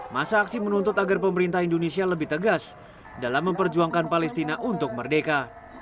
masa aksi menuntut agar pemerintah indonesia lebih tegas dalam memperjuangkan palestina untuk merdeka